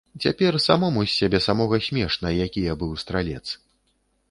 Цяпер самому з сябе самога смешна, які я быў стралец.